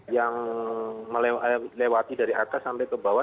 yang melewati dari atas sampai ke bawah